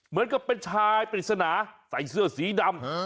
เหมือนกับเป็นชายปริศนาใส่เสื้อสีดำ